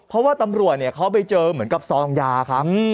เพราะว่าตำรวจเขาไปเจอเหมือนกับซองยาครับ